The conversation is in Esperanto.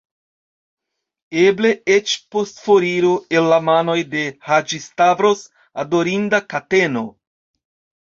Eble eĉ, post foriro el la manoj de Haĝi-Stavros, adorinda kateno!